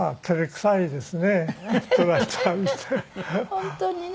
本当にね。